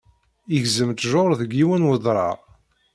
Igezzem ttjur deg yiwen wedrar.